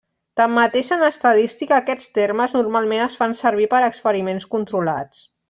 Tanmateix en estadística, aquests termes normalment es fan servir per experiments controlats.